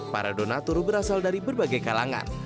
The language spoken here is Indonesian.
para donatur berasal dari berbagai kalangan